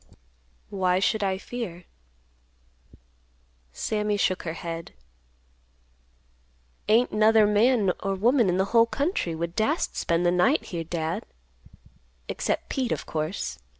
"Why should I fear?" Sammy shook her head. "Ain't 'nother man or woman in the whole country would dast spend the night here, Dad; except Pete, of course.